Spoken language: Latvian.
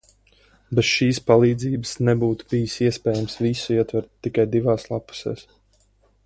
Bez šīs palīdzības nebūtu bijis iespējams visu ietvert tikai divās lappusēs.